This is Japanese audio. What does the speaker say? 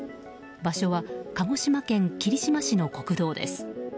場所は鹿児島県霧島市の国道です。